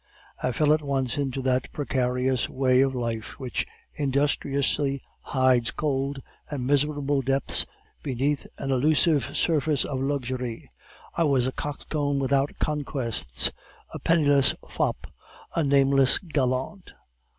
I fell at once into that precarious way of life which industriously hides cold and miserable depths beneath an elusive surface of luxury; I was a coxcomb without conquests, a penniless fop, a nameless gallant.